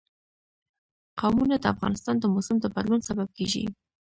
قومونه د افغانستان د موسم د بدلون سبب کېږي.